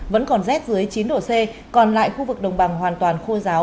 vẫn còn rét dưới chín độ c còn lại khu vực đồng bằng hoàn toàn khô giáo